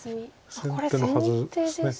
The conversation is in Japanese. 先手のはずです。